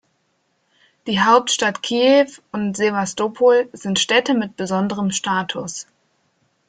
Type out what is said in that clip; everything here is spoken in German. Die Hauptstadt Kiew und Sewastopol sind „Städte mit besonderem Status“.